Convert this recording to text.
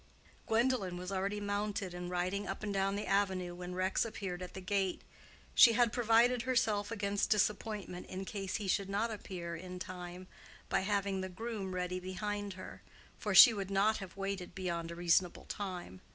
Gwendolen was already mounted and riding up and down the avenue when Rex appeared at the gate. She had provided herself against disappointment in case he did not appear in time by having the groom ready behind her, for she would not have waited beyond a reasonable time.